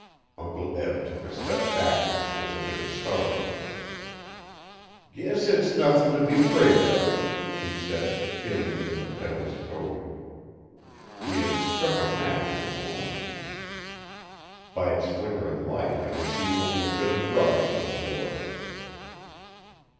Uncle Eb took a step backward as if it had startled him. 'Guess it's nuthin' to be 'fraid of;' he said, feeling in the pet of his coat He had struck a match in a moment. By its flickering light I could see only a bit of rubbish on the floor.